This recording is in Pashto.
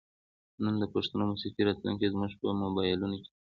نن د پښتو موسیقۍ راتلونکې زموږ په موبایلونو کې ده.